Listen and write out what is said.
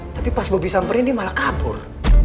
tapi pas bobi samperin dia malah kabur